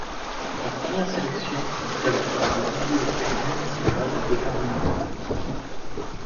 La première sélection est établie par des bibliothèques municipales de par le monde.